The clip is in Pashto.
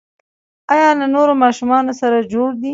ایا له نورو ماشومانو سره جوړ دي؟